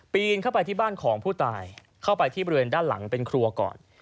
นเข้าไปที่บ้านของผู้ตายเข้าไปที่บริเวณด้านหลังเป็นครัวก่อน